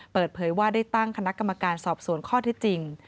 เปิดเผยว่าได้ตั้งคณะกรรมการสอบสวนข้อที่จริง